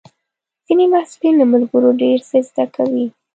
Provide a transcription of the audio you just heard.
ځینې محصلین له ملګرو ډېر څه زده کوي.